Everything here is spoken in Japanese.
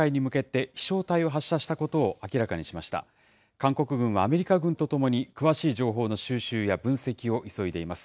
韓国軍はアメリカ軍とともに、詳しい情報の収集や分析を急いでいます。